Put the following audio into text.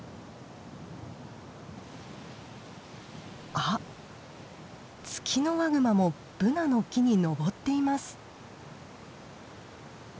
あっツキノワグマもブナの木に登っています。